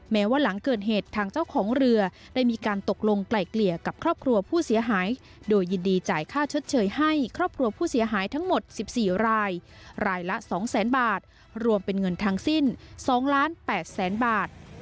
ว่าหลังเกิดเหตุทางเจ้าของเรือได้มีการตกลงไกล่เกลี่ยกับครอบครัวผู้เสียหายโดยยินดีจ่ายค่าชดเชยให้ครอบครัวผู้เสียหายทั้งหมด๑๔รายรายละ๒แสนบาทรวมเป็นเงินทั้งสิ้น๒ล้าน๘แสนบาท